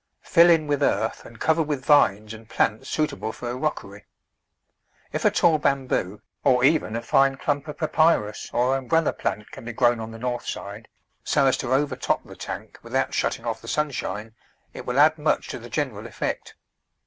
Fill in with earth and cover with vines and plants suitable for a rockery. If a tall Bamboo, or even a fine clump of Papyrus or Umbrella plant can be grown on the north side, so as to overtop the tank without shutting off the sunshine, it will add much to the general effect.